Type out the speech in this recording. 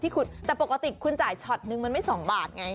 แต่ปกติคุณจ่ายช็อตตั้งส์หนึ่งมันไม่๒บาทไง